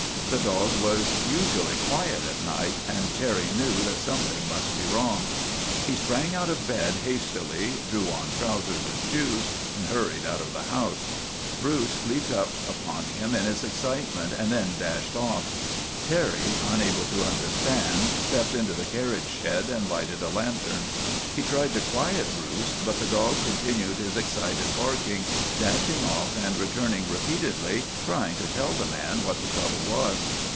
The dog was usually quiet at night and Terry knew that some thing must be wrong. He sprang out of bed, hastily THE TWA DOGS O' GLENFERGUS 45 drew on trousers and shoes, and hurried out of the house. Bruce leaped upon him in his excitement and then dashed off. Terry, unable to understand, stepped into the carriage shed and lighted a lantern. He tried to quiet Bruce, but the dog continued his excited barking, dashing off and returning re peatedly, trying to tell the man what the trouble was.